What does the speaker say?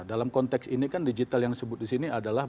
dalam konteks ini kan digital yang disebut disini adalah